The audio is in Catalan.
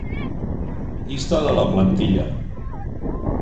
Llista de la plantilla.